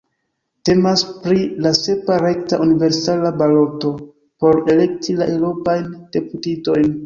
Temas pri la sepa rekta universala baloto por elekti la eŭropajn deputitojn.